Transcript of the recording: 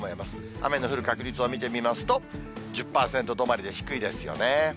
雨の降る確率を見てみますと、１０％止まりで低いですよね。